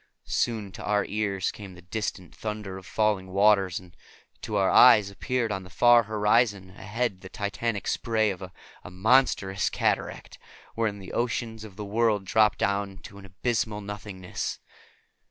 Soon to our ears came the distant thunder of falling waters, and to our eyes appeared on the far horizon ahead the titanic spray of a monstrous cataract, wherein the oceans of the world drop down to abysmal nothingness.